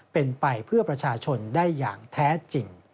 เป็นไปเพื่อประชาชนได้อย่างแท้จริง